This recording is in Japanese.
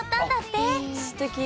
すてき。